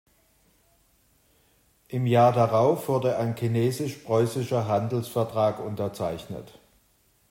Im Jahr darauf wurde ein chinesisch-preußischer Handelsvertrag unterzeichnet.